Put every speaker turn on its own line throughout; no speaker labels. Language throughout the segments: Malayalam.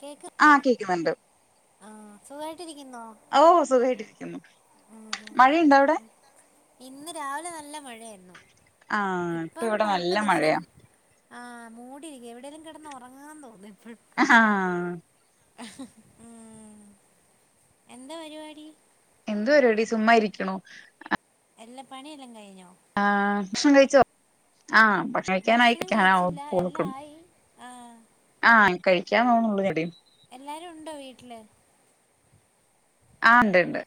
കേക്ക്
ആഹ് കേക്കുന്നുണ്ട്.
ആ സുഖ -
ഓഓ സുഗായിട്ടിരി - മഴയുണ്ടോ അവിടെ?
ഇന്ന് രാവിലെ നല്ല മഴയായിരുന്നു.
ആ പ്പൊ ഇവിടെ നല്ല മഴയാ.
ആഹ് മൂടി ഇരിക്കക്ക് എവിടെേലും കിടന്ന് ഉറങ്ങാന്ന് തോന്നുന്നു.
ആഹാ
ഉ ഹാ എന്താ പരിപാടി?
എന്ത് പരിപാടി ചുമ്മാ ഇരിക്ണോ?
എല്ലാ പണിയെല്ലാം കഴിഞോ?
ആ ഭഷണം കഴിച്ചോ? ആ
ഭക്ഷണം
ഭക്ഷണിക്കാനായിക്കാന
കഴിച്ചില്ല
പോ
എല്ലാം
ഴ്ക്ക
ആയി ആ
ആ കഴിക്കാൻ തന്നള്ളൂെി [unintelligible] യും
എല്ലാരും ഉണ്ടോ വീട്ടില്
ആ ഉണ്ട്ണ്ട്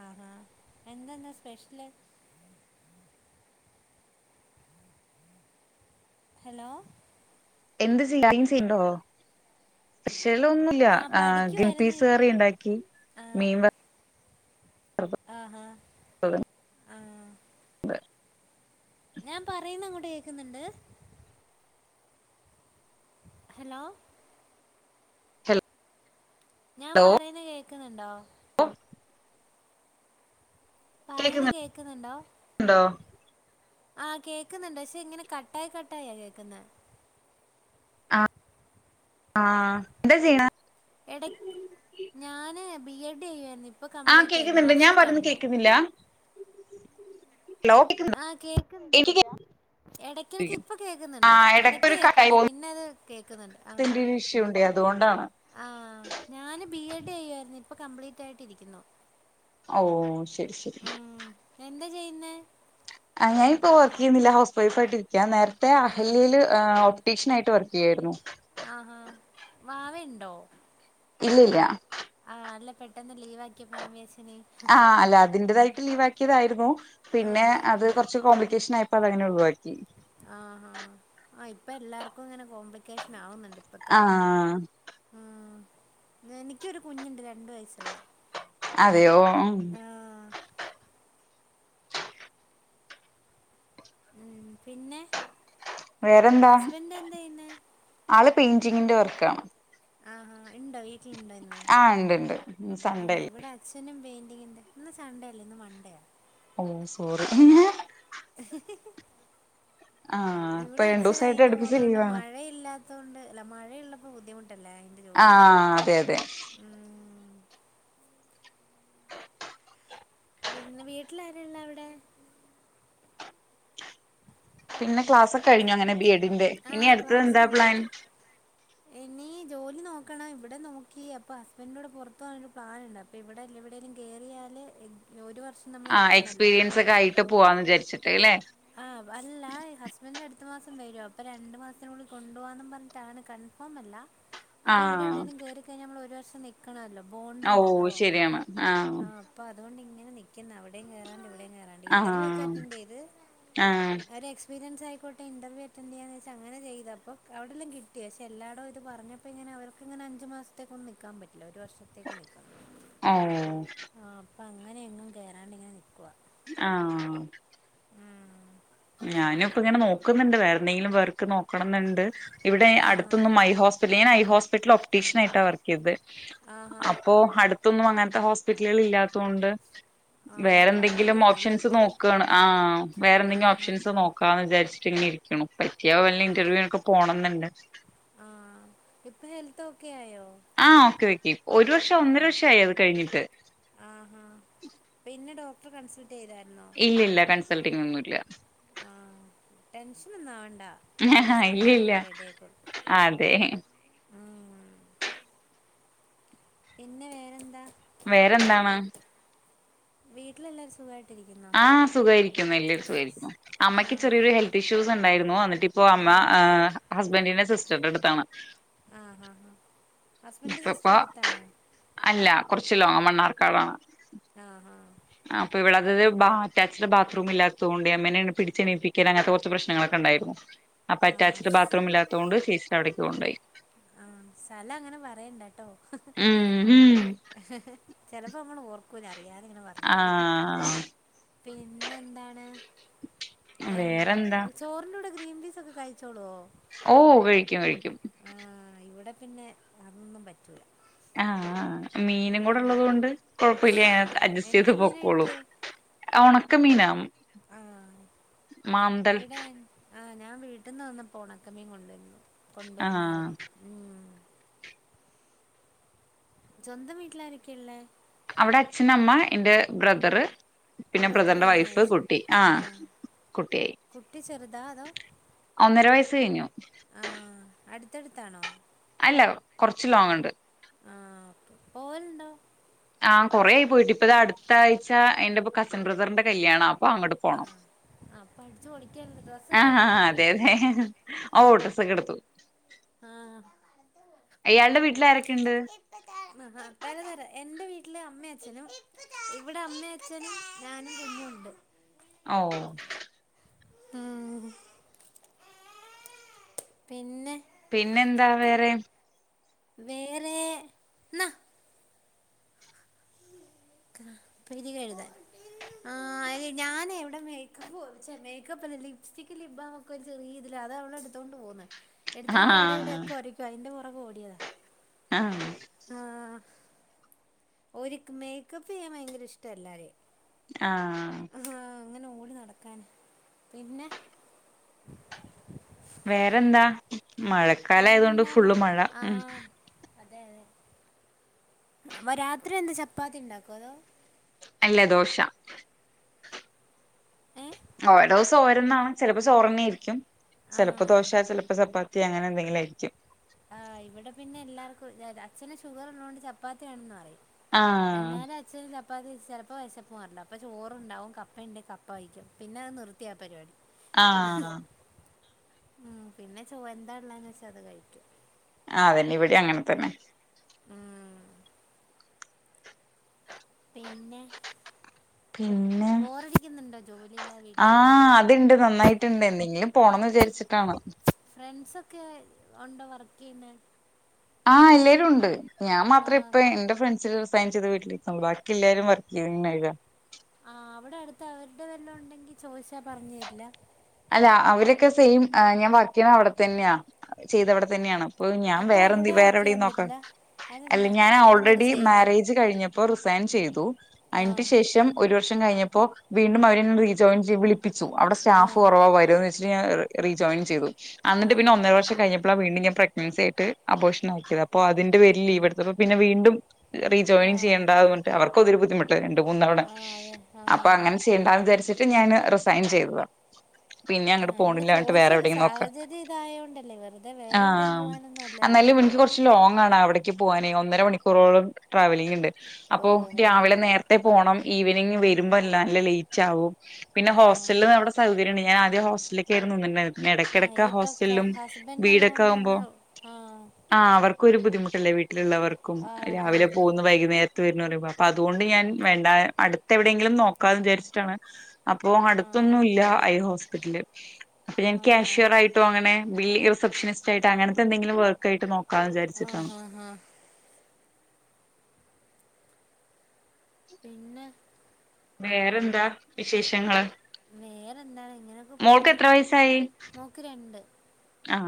ആഹാ എന്തെന്നാ സ്പെഷ്യല് ഹലോ -
എന്ത് ചെയ ചെയ്ണ്ടോ? ചിലൊന്നുമല്ല
ആ
ഗ്രിൻ
പഠിക്കുവായിരുന്നു
പീസ്
ഇപ്
കറി ഉണ്ടാക്കി മീൻ വർ
ആഹഹാ
അ [unintelligible]
ഞാൻ പറയുന്ന അങ്ങോട്ട് കേക്കുന്നുണ്ട്. ഹലോ
ഹലോ
ഞാൻ പറയുന്ന കേക്കുന്നുണ്ടോ? പറയുന്നു കേക്കുന്നുണ്ടോ? ആഹ് കേക്കുന്നുണ്ട് പക്ഷെ ഇങ്ങനെ കട്ടായി കട്ടായാ കേൾക്കുന്നേ?
ആഹ എന്താ ചെയ്യണെ?
എട ഞാന് ബി എഡ് ചെയ്യാന്
ആഹ കേൾക്കുന്നുണ്ട് ഞാൻ പറന്ന് കേൾക്കുന്നില്ല.
ആഹ് കേക്ക്
എനിക്ക്
നിട്ടുന്നില്ല ഇടക്കടക്ക്
കേക്കുന്നില്ലേ
ഇപ്പൊ കേൾക്കുന്നുണ്ട്
ആഹ്
ഇടക്ക്
ഇടക്കൊരു കട്ടായി പോ
കേക്കൂല പിന്നെ അത് കേക്കുന്നുണ്ട് ആഹ
ത്തിന്റെ ഒരു ഇഷ്യൂ ഉണ്ടേ അതുകൊണ്ടാണ്.
ആ ഞാന് ബി എഡ് ചെയ്യായിരുന്നു ഇപ്പൊ കംപ്ലീറ്റ് ആയിട്ടിരിക്കുന്നു.
ഓ ശരി ശരി
എന്താ ചെയ്യുന്നെ
ഞാനിപ്പോ വർക്ക് ചെയ്യുന്നില്ല ഹൗസ് വൈഫ് ആയിട്ട് ഇരിക്ക നേരത്തെ
ആ
അഹലലിൽ ടീഷന ആയിട്ട് വർക്ക് ചെയ്യായിരുന്നു.
ആഹാ വാവയുണ്ടോ?
ഇല്ല ഇല്ല
ആഹ അല്ല പെട്ടെന്ന് ലീവ് ആക്കിയപ്പോ ഞാൻ വിജാരിച്ച്
ആ അല്ല അതിന്റേതായിട്ട് ലീവ് ആക്കിയതായിരുന്നു പിന്നെ
ആഹാ
അത് കുറച്ച് കോംപ്ലിക്കേഷൻ ആയപ്പോ അത് അങ്ങനെ ഒഴിവായി
ആഹാ ആഹ് ഇപ്പൊ എല്ലാർക്കും ഇങ്ങനെ കോംപ്ലിക്കേഷൻ ആവുന്നുണ്ട് ഇപ്പോഴത്തെ
ആഹ
ഉം. എനിക്കൊരു കുഞ്ഞുണ്ട് രണ്ടു വയസ്സുള്ളേ - -
അതെയോ
ഉ പിന്നെ
വേറെന്താ
ഹസ്ബൻഡ് എന്താ ചെയ്യുന്നത്
ആള് പെയിന്റിങ്ങിന്റെ വർക്ക ആണ്.
ആഹാ ഉണ്ടോ വീട്ടിലുണ്ടോ ഇന്ന്
ആ ഉണ്ട് ഉണ്ട്
ആ
സൺഡേ അല്ലേ
ഇവിടെ അച്ഛനും പേ ഇന്ന് സൺഡേ അല്ലേ ഇന്ന് മൺണ്ടേയാ
ഓ സോറി മ്ഹാ - -
ഹി ഹേ ഹി ഹേ
ആ ഇപ്പൊ
ഇവിടെ
രണ്ടു
അച്ഛന അയി
ദിവസായിട്ട് അടുപ്പിച്ച്
പോകുന്നതൊണ്ട്
ലീവാണ്
മഴയില്ലാത്തൊണ്ട് അല്ല മഴയള്ളപ്പോ ബുദ്ധിമുട്ട ല്ലേ അതിന്റെ
ആ
ജോലി
അതെ അതെ
ഉ പിന്നെ വീട്ടിലാരെഉളള്ള അവിടെ?
പിന്നെ ക്ലാസ് ഒക്കെ കഴിഞ്ഞു അങ്ങനെ ബി എഡിന്റെ ഇനി അടുത്തത് എന്താ പ്ലാൻ?
ഇനിീ ജോലി നോക്കണം ഇവിടെ നോക്കി അപ്പൊ ഹസ്ബന്റിന്റെടെ പെറത്തു പോവനൊരു പ്ലൻ ഉണ്ട് അപ്പൊ ഇവിടെല്ല എവിടേലും കേറിയാൽ
ആ എക്സ്പീരിയൻസ് ഒക്കെ ആയിട്ട് പോവാന്ന് വിചാരിച്ചിട്ട് അല്ലെ.
ആഹ അല്ല അസ്പെൻഡ്‌ അടുത്ത മാസം വരും. അപ്പോൾ രണ്ടുമാസത്തിനുള്ളിൽ കൊണ്ടുപോവാന്നു പറഞ്ഞിട്ടാണ്. കൺഫോമല്ല. അപ്പൊ ഇവിടെ
ആഹ്
എവിടെഎങ്കിലും കേറിക്കഴഞ്ഞാ നമ്മൾ ഒരു വർഷം നിൽക്കണല്ലോ. ബോണ്ട്
ഓ
ണ്ടല്ലോ
ശരിയാണ് ആഹ്
ആ അപ്പൊ അതുകൊണ്ട് ഇങ്ങനെ നിൽക്കുന്ന്. അവിടെയും കേറാൻഡ് ഇവിടെയും കേറാൻഡ്. ഇന്റർവ്യൂ ഒക്കെ
ആഹ്
അറ്റൻഡ് ചെയ്തു.
ആഹ്
ആയിക്കോട്ടെ ഇന്റർവ്യൂ അറ്റൻഡ് ചെയ്യാന്നു വെച്ചാൽ അങ്ങനെ ചെയ്തപ്പോ അവിടെയെല്ലാം കിട്ടി. പക്ഷേ എല്ലായിടവും ഇതു പറഞ്ഞപ്പോൾ ഇങ്ങനെ അവര്. അവർക് ഇങ്ങന അഞ്ച് മാസത്തേക്കൊന്നും നിൽക്കാൻ. ല്ല ഒരു വർഷത്തേക്ക് നൽക്കണം.
ഓ
ആ അപ്പം അങ്ങനെ എങ്ങും കേറാണ്ടിങ്ങനെ നിൽക്കു വാ.
ആഹ് ഞാന ഇപ്പ ഇങ്ങനെ നോക്കുന്നുണ്ട്. വേറെന്തെങ്കിലും വർക്ക് നോക്കണംന്ന്‌. ഇവിടെ
ആഹാ
അടുത്തൊന്നും ഐ ഹോസ്പിറ്റൽ. ഞാൻ ഐ ഹോസ്പിറ്റലിൽ ഒപ്റ്റീഷ്യൻ ആയിട്ടാ വർക്ക് ചെയ്തത്.
ആഹാ
അപ്പോ അടുത്തൊന്നും അങ്ങനത്തെ ഹോസ്പിറ്റലുകൾ ഇല്ലാത്തൊണ്ട്.
ആഹ്
വേറെ
ട്രാവൽ
എന്തെങ്കിലും
ചെയ്യണല്ലേ
ഓപ്ഷൻസ്
ഒത്തിരി
നോക്കാണ് ആ വേറെന്തെങ്കിലും.
ആഹാ
ഓപ്ഷൻസ് നോക്കാന്ന് വിചാരിച്ചിട്ട് ഇങ്ങന ഇരിക്ക്ണു ‌. പറ്റിയ വല്ല
ആഹ്
ഇന്റർവ്യൂ ഒക്കെ പോണംന്നുണ്ട്.
ഇപ്പൊ ഹെൽത്ത് ഒക്കെ ആയോ.
ആ ഓക്കെ ഓക്കെ ഒരു വർഷം ഒന്നര വർഷ ആയി അത് കഴിഞ്ഞിട്ട്.
ആഹാ പിന്നെ ഡോക്ടർ കൺസ്.
ഇല്ല ഇല്ല കൺസൾട്ടിങ് ഒന്നുല്ല.
ടെൻഷൻ ഒന്നും എല്ലാ
ഇല്ല
സമയം
ഇല്ല
ആവുമ്പോ റെഡിആയിക്കോളും.
അതെ
പിന്നെ വേറെ എന്താ
വേറെന്താണ്
വീട്ടില എല്ലാരും സുഗായി.
ആ സുഖായിരിക്കുന്നു. എല്ലേരി സുഖായിരിക്കുന്നു. അമ്മയ്ക്ക്
ആഹ്
ചെറിയൊരു ഹെൽത്ത് ഇഷ്യൂസ് ഉണ്ടായിരുന്നു ഇപ്പോ അമ്മാ
ആഹ്
ആ ഹസ്ബന്റിന്റെ സിസ്റ്ററിന്റെ അടുത്താണ്.
ആ ആ ഹസ്ബൻഡ് സിസ്റ്റർ അടുത്താണോ?
കുറച്ചിലോ മണ്ണാർക്കാടാണ്.
ആ ആ
ആ അപ്പോ ഇവിടത്തെത് അറ്റാച്ഡ് ബാത്റൂമിൽ ഇല്ലാത്തതുകൊണ്ട് എങ്ങനെണ് പിടിചനീൽപ്പിക്കല് അങ്ങനത്തെ ഒക്കെ പ്രശ്നങ്ങലൊക്കെയിണ്ട്. അപ്പൊ
ആഹ്
അറ്റാച്ച്ഡ് ബാത്റൂം
ആഹ്
ഇല്ലാത്തൊണ്ട് ചേച്ചിടേ അവിടേക്ക് കൊണ്ടുപോയി.
ആ, സ്ഥലം അങ്ങനെ പറയണ്ടട്ടോ?
ഉം ഉം
ചെലപ്പോ നമ്മള് ഓർകൂല.
ആ ആ
പിന്നെ എന്താണ് ഏ
വേറെന്താ
ചോറിന്റെ കൂടെയൊക്കെ. കഴിച്ചോളോ
ഓ കഴിക്കും കഴിക്കും.
ഇവിടെ പിന്നെ അതൊന്നും പറ്റൂല.
ആ. ആ മീനും കൂടെ
ഉം.
ഉള്ളത് കൊണ്ട്
ആ
കൊഴപ്പില്ല. അഡ്ജസ്റ്റ്
എന്ത്
ചെയ്ത്
മീനാ
പൊക്കോളും.
കിട്ടിയേ
ഉണക്കമീനോ
ആ.
മാന്തൽ
ഇവിടെ ആ ഞാൻ വീട്ടിന്നു വന്നപ്പോ പൊണക്കമ്മീൻ കൊണ്ടുവരുന്നു.
ആഹ്
കൊണ്ടുവന്നായിരുന്നു ഉം. സ്വന്തം വീട്ടിലാരെക്കെഇല്ലേ
അവിടെ അച്ഛനമ്മ എന്റെ ബ്രദർ.
ബ്രദർ കല്യാണം കഴിചോയി. ആ
കുട്ടിയായി
കുട്ടി ചെറുതാ അതോ?
ഒന്നര വയസ് കഴിഞ്ഞു.
ത്തെടുത്താനോ
ഇല്ല കുറച്ച് ലോങ് ഉണ്ട്
ആഹ് ഓക്കെ പോവലുണ്ടോ
ആ കൊറെ ആയി പോയിട്ട് ഇപ്പ ഇത് അടുത്ത ആഴ്ച എന്റെ ഇപ്പ കസിൻ ബ്രദറിന്റെ കല്യാണാ അങ്ങോട്ട്
ആഹ്
പോണം
ആഹ് അപ്പൊ അടിച്ചു പൊളിക്കല്ലേ
ആ
ഡ്രസ്സൊക്കെ എടുത്തോ
അതെ അതെ ഓ ഡ്രസ് ഒക്കെ എടുത്തു അയാളുടെ വീട്ടിൽ ആരൊക്കെയുണ്ട്
ആ തരാംതരം എന്റെ വീട്ട വീട്ടില് അമ്മയും അച്ഛനും ഇവിടെ അമ്മ അഛനും ഞാനും കുഞ്ഞും ഉണ്ട്
ഓ
ആ പിന്നെ
പിന്നെന്താ വേറെ
വേറെ ഇന്നാ പിരിക എഴുതാൻ ആ അ ഞാന എവിടെ മേക്കപ്പ് പോച്ചേ മേക്കപ്പ്ന്ന ലിപ്സ്റ്റിക്ക് ലിബ് ബാം ഒക്കെ ചെറിയ രിതി അത അവളെ എടുത്തുകോണ്ട് പോന്ന് എടുത്തോണ്ട് എവിടെ എവിടെ
ആഹ്
യെങ്കിലും ഒക്കെ ഒരയ്ക്കും അതിന്റെ പുറക് ഓടിയതാ
ആ
ആ ഒരിക്ക് മേക്കപ്പ് ചെയ്യാൻ ഭയങ്കര ഇഷ്ട എല്ലാരേ
ആ
ആ അങ്ങനെടി നടക്കാന് പിന്നെ [inaudible] [inaudible]
വേറെന്താ മഴക്കാല ആയതൊണ്ട്
വേറെന്താ മ
ഫുള്ള് മഴ ഉ
ആഹ് അതെ അതെ അപ്പ രാത്രി എന്താ ചപ്പാത്തി ഉണ്ടാക്കോ അതോ
അല്ലേ ദോശ
ഏഹ്
ആ [inaudible] ചോരന്നാണ് ചിലപ്പോ ചോറണ ആയിരിക്കും ചിലപ്പോ
ആഹ്
ദോശ ചിലപ്പോ ചപ്പാത്തി അങ്ങനെ എന്തെങ്കിലും ആയിരിക്കും
ആ ഇവിടെ പിന്നെ എല്ലാർക്കും അച്ഛന ഷുഗർ ഉള്ളതുകൊണ്ട് ചപ്പാത്തി വേണംന്ന് അ പറയും
ആഹ്
എന്നാലും അച്ഛന് ചപ്പാ അപ്പൾ അത് ചിലപ്പോൾ വെശപ്പും അറില്ല അപ്പോൾ ചോറുണ്ടാവും കപ്പയ ഉണ്ട കപ്പ കഴിക്കും പിന്നെ അത് നിർത്തിയ പരിപാടി
ആ
ഉം പിന്നെ ചോ എന്താള്ളന്ന് വെച്ചാ അത് കഴിക്കും
ആതന്നെ ഇവിടെ അങ്ങനെ തന്നെ
ഉം പിന്നെ
പിന്നെ
ബോറടിക്കുന്നുണ്ടോ ജോലിയില്ലാതെ
ആ
വീട്ടിലിരിക്കുമ്പോ
അത്ണ്ട് നന്നായിട്ടുണ്ട് എന്തെങ്കിലും പോ പോണം എന്ന് വിചാരിച്ചിട്ടാണ്
ഫ്രണ്ട്സ ഒക്കെ ഉണ്ടോ വർക്ക് ചെയ്യുന്ന
ആ എല്ലാവരും ഉണ്ട് ഞാൻ മാത്രം
ആഹ്
ഇപ്പ എന്റെ ഫ്രണ്ട്സി റി സയ്ൻ ചെയ്ത് വീട്ടിലിരിക്കു ബാക്കി എല്ലാരും വർക്ക് ചെയഴ
ആ അവിടെ അടുത്ത് അവരുടെ വല്ലാം ഉണ്ടെങ്കി ചോദിച്ചാ പറഞ്ഞ തരില്ല
അല്ല അവരൊക്കെ സെയിം ഞാൻ വർക്കേ ചെയ്ത് അവിടെ തന്നെയാ ചെയ്തവിടെ തന്നെയാണ് അപ്പൊ ഞാൻ
അപ്പൊ
വേറെന്ത
അവിടെ
വേറെ
വർക്ക്
എവിടെും
ചെയ്യാൻ
നോക്ക
പറ്റില്ല
അല്ല
അതെന്താ
ഞാൻ
അവിടുന്നൊരു
ഓൾറെഡി
ചേഞ്ചോ
മാരേജ് കഴിഞ്ഞപ്പോ റിസയൻ ചെയ്തഅ
ആഹ്
ശേഷം വർം കഴഞ്ഞപ്പോ വീണ്ടും അവോയി അവിടെ സ്റ്റാഫ്
ആഹ്
ഒന്നരവർഷം കഴിഞ്ഞപ്പോൾ റീ ജോയിൻ ചെയ്തു എന്നിട്ട് പിന്നെ
ആഹ്
ഒന്നര വർം കഴിഞ്ഞ അ വീണ്ടുംഞാൻ പ്രഗ്നൻസി ആായിട്ട് അബോഷ ആിയത് അപ്പോ അതിന്റെ പേര് ലീവെടുത്ത അപ്പ പിന്നെ വീണ്ടും
ആഹ്
റീജോയും
ആഹ്
ചെയ്യേണ്ട അവർക്ക് അതൊരു ബുദ്ധിമുട്ട് രണ്ടുമൂന്നു തവണ
അതെ
അപ്പോ
ആഹ്
അങ്ങനെ ചെയ്യേണ്ട എന്ന് വിചാരിചിട്ട് ഞാൻ റിസൈൻ ചെയ്തു
അല്ല ചോദിച്ചു നോക്ക് സാഹചര്യം ഇതായതുകൊണ്ടല്ലേ വെറുതെ വേറെ എവിടെയും
ആഹ്
പോകാൻ ഒന്നും അല്ലല്ലോ
എന്നാലും എനിക്ക് കുറച്ച് ലോങ്ങ് ആണ് അവിടെ എനിക്ക് പോവാൻ ഒന്നരമണിക്കു റോളംട്രാവൽ ഉണ്ട്
ഓഹോ
അതുകൊണ്ട് നേരത്തെ പോണം ഈവനിംഗ് വരുമ്പോൾ നല്ല ലൈറ്റ് ആവും പിന്നെ
ആഹ്
ഹോസ്റ്റലിൽ അവിടെ ഞാനാദ്യം ഹോസ്റ്റലിലേക്ക് ആയിരുന്നു നിന്നിരുന്നത്
ആഹ്
ഇടയ്ക്കിടക്ക്
ഇതിപ്പോ ക
ഹോസ്റ്റലും
ഹസ്ബൻഡ്
വീടൊക്കെ
ഉള്ളോണ്ട്
ആകുമ്പോ
തന്നെ ആഹ്
ആ അവർക്ക് ഒരു ബുദ്ധിമുട്ടല്ലേ വീട്ടിലുള്ളവർക്കും
ആഹ് അതെ
രാവിലെ
അതെ
പോകുന്ന വൈകുന്നേരം വരുന്നപ അപ്പൊ അതുകൊണ്ട് ഞാൻ വേണ്ട അടുത്ത് എവിടെയെങ്കിലും നോക്കാന്ന് വിചാരിച്ചിട്ടാണ് അപ്പോ
ആഹ്
അടുത്തൊന്നും ഇല്ല ഹോസ്പിറ്റല് അപ്പൊ ഞാൻ
ആഹ്
ക്യാഷ്യർ ആയിട്ടോ അങ്ങനെ റിസപ്ഷനിസ്റ്റയിട്ട് അങ്ങനത്തെ എന്തെങ്കിലും വർക്ക ആായിട്ട് നോക്കാന്ന് വിചാരിച്ചിട്ടാണ്
ആഹ് ആഹ് ആഹ് പിന്നെ
വേറെന്താ വിശേഷങ്ങള്
വേറെ ന്താണ് ഇങ്ങനെയൊക്കെ
മോൾക്ക്
പോന്ന്
എത്ര വയസായി
നോക്കിണ്ട്
ആ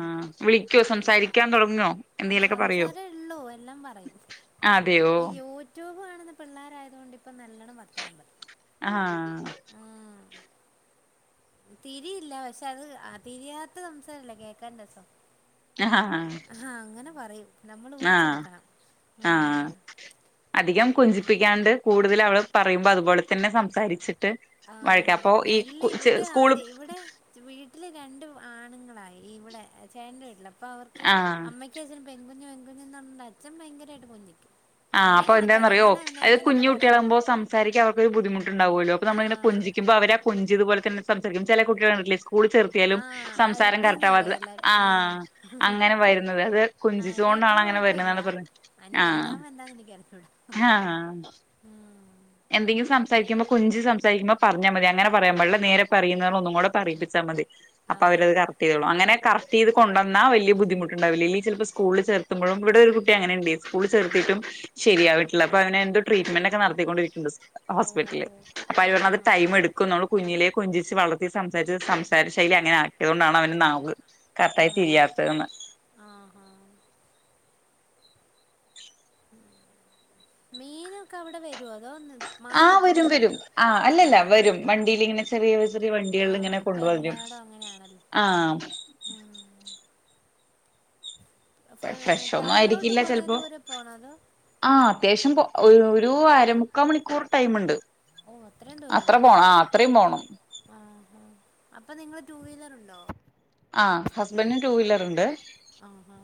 വിളിക്കോ സംസാരിക്കാൻ തുടങ്ങുവോ എന്തെങ്കലൊക്കെ പറയോ
സംസാരേ ഉള്ളൂ എല്ലാം പറയും
അതെയോ
ഈ യൂട്യൂബ് കാണുന്ന പിള്ളാരായത കൊണ്ട് ഇപ്പ നല്ലണ്ണം വർത്താനം പറയും
ആ
ആഹ് തിരിയില്ല പക്ഷെ അത് തിരിയാത്ത സംസാരംല്ല കേൾക്കാന് രസം
ആ
ആ അങ്ങനെ പറയൂ നമ്മൾ ഊിച്ചെടുക്കണം
ആഹ അധികം കൊഞ്ചിപ്പികാണ്ട് കൂടു കൂടുതൽ അവള് പറയുമ്പോ അതുപോലെ തന്നെ സംസാരിചിട്ട്
നഞല്ല ഇത് ഇവിടെ ആദ്യ ഇവിടെ വീട്ടില് രണ്ട് ആണുങ്ങ ഇവിടെ ചേട്ടന്റെ വീട്ടിൽ അപ്പൊ അവർക്ക്
ആഹ്
അമ്മക്കും അച്ഛനും പെൺകുഞ് അന്നണ്ട് അച്ഛൻ ഭയങ്കരമായിട്ട് കൊഞ്ചിക്കും
ആഹ്
അമ്മയും
അപ്പൊ
കണക്കാ
എന്താന്നറിയോ
ഞാനാ പിന്നെ
അത്
എന്തേലുമൊക്കെ
കുഞ്ഞു
പറയുന്നെ
കുട്ടികളാമ്പോ സംസാരിക്കാ അവർക്കൊരു ബുദ്ധിമുട്ട് ണ്ടാവുമല്ലോ അ നമ്മളങ്ങനെ
ആഹ്
കൊഞ്ചിക്കുമ്പോ അവരാ കൊഞ്ചിയതുപോലെ സംസാരിക്കും ചെല കുട്ട്യാളെ കണ്ടില്ലേ സ്കൂളിൽ ചേർത്തിയാലും
ആഹ്
സംസാരം
അരുത്തിന്ന്
കറക്റ്റ് ആവാത്തത്
പറയും എല്ലാരും
ആ
ആഹ്
അങ്ങനെ വരുന്നത് അത്
ആഹ്
കൊഞ്ചിച്ചു നോ
ഇത് അത്ര
കൊണ്ടാണ് അങ്ങനെ വരുന്ന പറഞ്ഞ ആ
എാ എനക്ക് ഇറക്കവിട മ്മ്
എന്തെങ്കിലും സംസാരിക്കുമ്പോൾ കൊഞ്ചി സംസാരിക്കുമ്പോ പറഞ്ഞാൽ മതി അങ്ങനെ പറയാൻപാടില്ല നേരെ പറയി ന്ന് പറഞ്ഞു ഒന്ന് കൂടെ പറയിപ്പിച്ചാൽ മതി അപ്പൊ അവരത്
ആഹ്
കറക്റ്റ് ചെയതോളും അങ്ങനെ കറക് കറക്റ്റ് ചെയ്ത് കൊണ്ടന്ന വല്യ ബുദ്ധിമുട്ട് ഉണ്ടാവില്ല ഇല്ലങ്കി ചെലപ്പോ സ്കൂളിൽ ചേർത്തുമ്പോഴും ഇവിടെ ഒരു കുട്ടി അങ്ങനെ ഇണ്ടേ സ്കൂളിൽ ചേർത്തിട്ടും ശരിയായിട്ടില്ല ഇപ്പൊ അവന് എന്തോ ട്രീറ്റ് മെന്റൊക്കെ ഒക്കെ നടത്തിക്കൊണ്ടിരിക്ക [unintelligible] ഹോസ്പിറ്റലില്.
ഓഹോ
അപ്പൊ അവര് പറഞ്ഞത്
ആഹാ
ടൈം എടുക്കും ന്നൊള്ളു കുഞ്ഞിലെ [inaudible] കൊഞ്ചിച്ച് വളർത്തി, സംസാരിച്ച്, സംസാര ശൈലി അങ്ങനെ ആക്കിയതോണ്ടാണ് അവന് നാവ് [inaudible] കറക്റ്റായി
ആഹ്
തിരിയാത്തെന്ന്?
ആഹാ മീനൊക്കെ അവിടെ വ [inaudible]
ആഹ വരും, വരും. ആ അല്ലല്ല
ആഹ്
വരും. വണ്ടീലിങ്ങനെ ചെറിയ [inaudible] വണ്ടികളിൽ
ആഹ്
ഇങ്ങനെ
ഇപ്പൊ
കൊണ്ടപരും
എല്ലായിടവും അങ്ങനെയാണല്ലോ
ആ
ഉം ഫു
ഫ്രഷൊന്നും
ടൗണിലോട്ട്
ആയിരിക്കില്ല
കുറേ
ചിലപ്പോ
ദൂരെ പോണോ അതോ
ആ അത്യാവശ്യം ഒരു അരമുക്കാ മണിക്കൂർ ടൈമ്ണ്ട്
ഓ അത്രയും ദൂരംുണ്ടല്ലേ
പോണം
ആ അപ്പൊ നിങ്ങള് ടു വീലർഉണ് ന
ആ ഹസ്ബന്ഡന് ടു വീലർ ഉണ്ട്
ആഹാ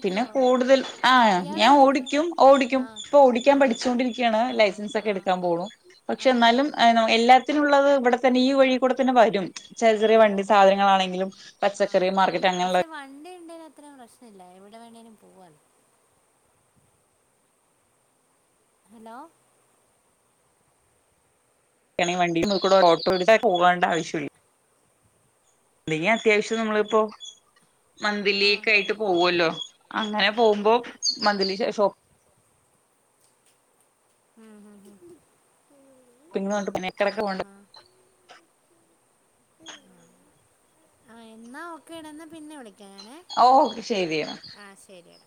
പിന്നെ കൂടുതൽ ആ
ഇയാള്
ഞാൻ
ഓടിക്കുവോ
ഓടിക്കും ഓടിക്കും
ആഹ്
ഇപ്പൊ ഓടിക്കാൻ
ആഹ്
പഠിച്ചുൊണ്ടിരിക്കയാണ്
ആഹ്
ലൈസൻസ് ഒക്കെ
ആഹ്
എടുക്കാൻ പോണൂ പക്ഷെ
ആഹ് ഓക്കെ
എന്നാലുംഇയ്നോ എല്ലാ ത്തിനുള്ളത് ഇവിടെ തന്നെ ഈ വഴി കൂടതന്നെ വരും ചെറിയ ചെറിയ
ആഹ്
വണ്ടി സാധനങ്ങളാണെങ്കിലും പച്ചക്കറി
ആഹ്
മാർക്കറ്റ് അങ്ങനെയുള്ള
പക്ഷെ വണ്ടി അത്രയും പ്രശ്നില്ല എവിടെ വേണേലും പോവാ ഹലോ
ക്കാണെങ്കി വണ്ടിന്ക്ക്ണ ഓട്ടോ എടു പോകണ്ട ആവശ്യമില്ല എന്തെങ്കി അത്യാവശ്യം നമ്മളിപ്പോ
ആഹ്
മന്ത്ലിക്കായിട്ട് പോവല്ലോ അങ്ങനെ
ആഹാ
പോകുമ്പോ മന്ത്ലി ശേഷം [unintelligible]
ഹും ഹാ
പി പിന്നെക്കടൊക്കെ പോണ്ടെ
ആഹ എന്നാ ഓക്കെഡാ ന്ന പിന്നെ വിളി
ഓകെ ശെരി
ശരിയെടാ